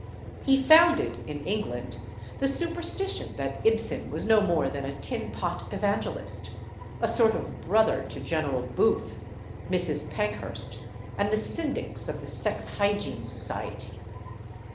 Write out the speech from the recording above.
He founded, in England, the superstition that Ibsen was no more than a tin pot evangelist—a sort of brother to General Booth, Mrs. Pankhurst and the syndics of the Sex Hygiene Society.